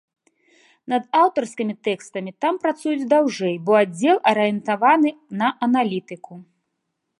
Над аўтарскімі тэкстамі там працуюць даўжэй, бо аддзел арыентаваны на аналітыку.